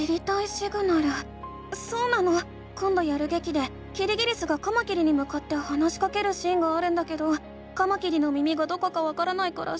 そうなのこんどやるげきでキリギリスがカマキリにむかって話しかけるシーンがあるんだけどカマキリの耳がどこかわからないから知りたいの。